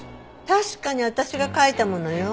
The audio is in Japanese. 確かに私が書いたものよ。